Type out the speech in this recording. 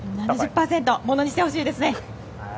ものにしてほしいですね。